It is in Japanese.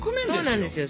そうなんですよ